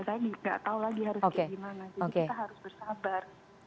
saya tidak tahu lagi harus pergi kemana